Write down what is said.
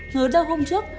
ngứa đâu hôm trước